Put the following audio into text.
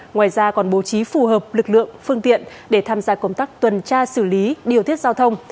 ngoài ra còn bố trí phù hợp lực lượng phương tiện để tham gia công tác tuần tra xử lý điều tiết giao thông